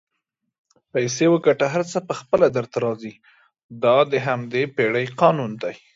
پیسې وګټه هر څه پخپله درته راځي دا د همدې پیړۍ قانون دئ